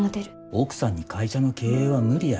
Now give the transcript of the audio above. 奥さんに会社の経営は無理や。